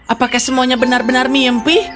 apakah semuanya benar benar mimpi